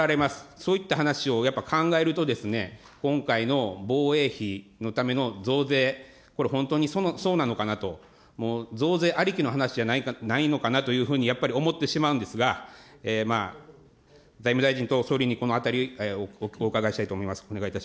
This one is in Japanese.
そういった話をやっぱ考えると、今回の防衛費のための増税、これ本当にそうなのかなと、増税ありきの話じゃないのかなと、やっぱり思ってしまうんですが、財務大臣と総理にこのあたり、お伺いしたいと思います。